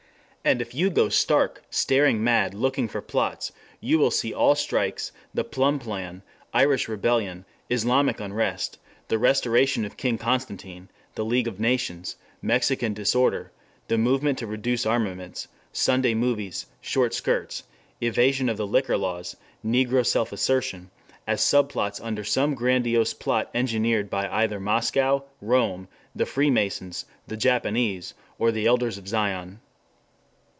And if you go stark, staring mad looking for plots, you see all strikes, the Plumb plan, Irish rebellion, Mohammedan unrest, the restoration of King Constantine, the League of Nations, Mexican disorder, the movement to reduce armaments, Sunday movies, short skirts, evasion of the liquor laws, Negro self assertion, as sub plots under some grandiose plot engineered either by Moscow, Rome, the Free Masons, the Japanese, or the Elders of Zion.